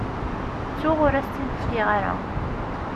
Ttuɣ ur as-tt-in-fkiɣ ara.